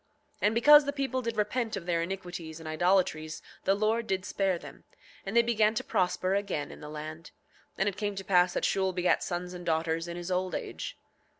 7:26 And because the people did repent of their iniquities and idolatries the Lord did spare them, and they began to prosper again in the land. And it came to pass that Shule begat sons and daughters in his old age.